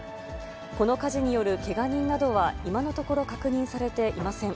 この火事によるけが人などは今のところ確認されていません。